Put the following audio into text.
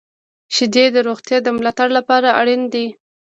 • شیدې د روغتیا د ملاتړ لپاره اړینې دي.